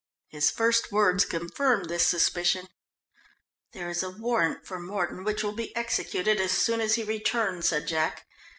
His first words confirmed this suspicion. "There is a warrant for Mordon which will be executed as soon as he returns," said Jack.